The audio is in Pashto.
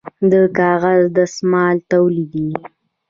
د کاغذ دستمال تولیدیږي